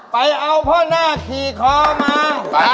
ไปเอาพ่อหน้าขี่คอมา